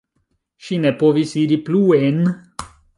Ŝi ne povis iri pluen.